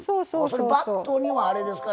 それバットにはあれですか？